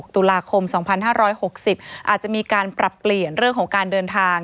ตุลาคม๒๕๖๐อาจจะมีการปรับเปลี่ยนเรื่องของการเดินทาง